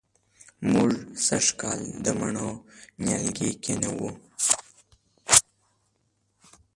موږ سږ کال د مڼو نیالګي کېنوو